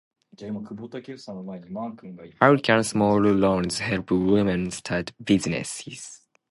[background speech] How can smaller loans help women start businesses?